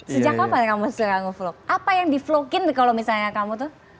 sejak kapan kamu suka nge vlog apa yang di vlogin kalau misalnya kamu tuh